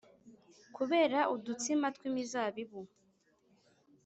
kubera udutsima tw’imizabibu